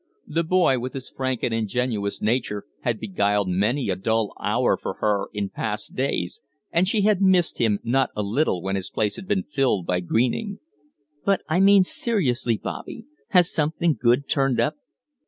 The boy, with his frank and ingenuous nature, had beguiled many a dull hour for her in past days, and she had missed him not a little when his place had been filled by Greening. "But I mean seriously, Bobby. Has something good turned up?"